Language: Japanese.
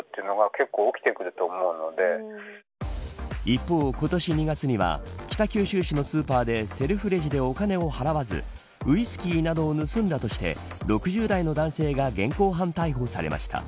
一方、今年２月には北九州市のスーパーでセルフレジでお金を払わずウイスキーなどを盗んだとして６０代の男性が現行犯逮捕されました。